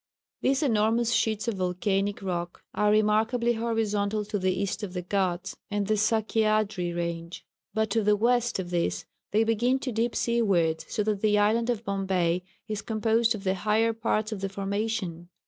These enormous sheets of volcanic rock are remarkably horizontal to the east of the Gháts and the Sakyádri range, but to the west of this they begin to dip seawards, so that the island of Bombay is composed of the higher parts of the formation.